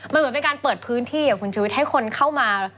มันเหมือนเป็นการเปิดพื้นที่คุณชุวิตให้คนเข้ามา